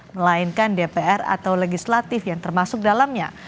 melainkan dpr atau legislatif yang termasuk dalamnya